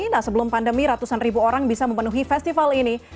nah sebelum pandemi ratusan ribu orang bisa memenuhi festival ini